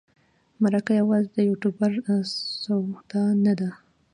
مرکه یوازې د یوټوبر سودا نه ده.